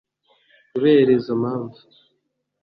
Kubera izo mpanvu